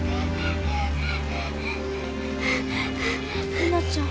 ひなちゃん。